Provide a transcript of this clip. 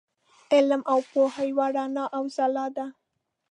علم او پوهه یوه رڼا او ځلا ده.